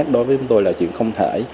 đối với chúng tôi là chuyện không thể